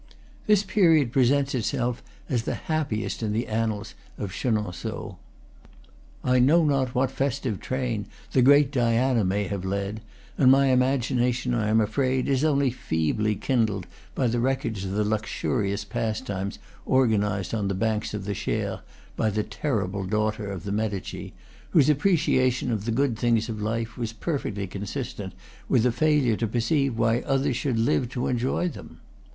This period presents itself as the happiest in the annals of Chenonceaux. I know not what festive train the great Diana may have led, and my imagination, I am afraid, is only feebly kindled by the records of the luxurious pastimes organized on the banks of the Cher by the terrible daughter of the Medici, whose appreciation of the good things of life was perfectly consistent with a failure to perceive why others should live to enjoy, them.